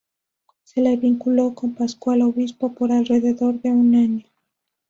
Se le vinculó con Pascal Obispo por alrededor de un año.